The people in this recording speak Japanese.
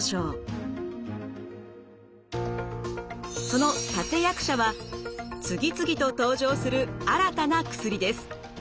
その立て役者は次々と登場する新たな薬です。